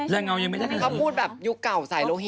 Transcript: แรงเอาก็ไม่ได้